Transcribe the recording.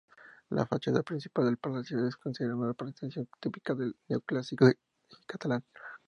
La fachada principal del palacio es considerada una representación típica del neoclásico catalán.